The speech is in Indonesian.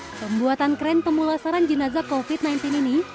pembuatan kren pemulasaran jenazah covid sembilan belas ini